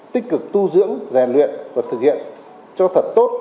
tích cực tu dưỡng rèn luyện và thực hiện cho thật tốt